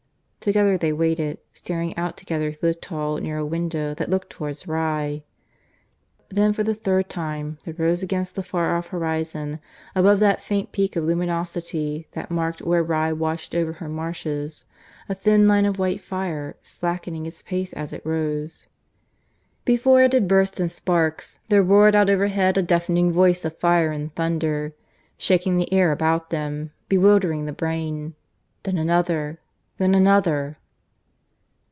Together they waited, staring out together through the tall, narrow window that looked towards Rye. Then for the third time there rose against the far off horizon, above that faint peak of luminosity that marked where Rye watched over her marshes, a thin line of white fire, slackening its pace as it rose. Before it had burst in sparks, there roared out overhead a deafening voice of fire and thunder, shaking the air about them, bewildering the brain. Then another. Then another.